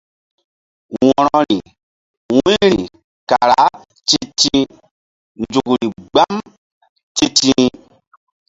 Wo̧rori wu̧yri kara ti̧ti̧h nzukri mgbam ti̧ti̧h.